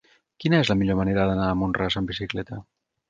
Quina és la millor manera d'anar a Mont-ras amb bicicleta?